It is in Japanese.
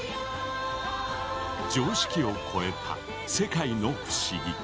常識をこえた世界の不思議。